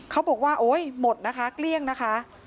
เขาบอกว่าโอ๊ยหมดนะคะเกลี้ยงนะคะ